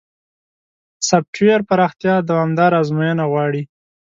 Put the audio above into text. سافټویر پراختیا دوامداره ازموینه غواړي.